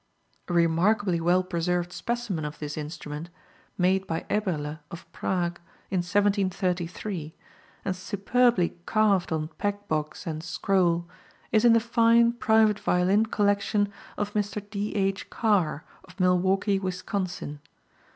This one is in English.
A remarkably well preserved specimen of this instrument, made by Eberle of Prague, in 1733, and superbly carved on pegbox and scroll, is in the fine private violin collection of Mr. D. H. Carr, of Milwaukee, Wisconsin.